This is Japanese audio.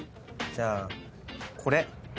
じゃあこれ。